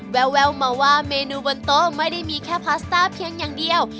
แววมาว่าเมนูบนโต๊ะไม่ได้มีแค่พาสต้าเพียงอย่างเดียว